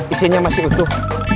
isinya masih utuh